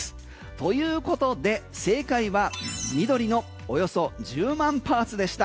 ということで正解は緑のおよそ１０万パーツでした。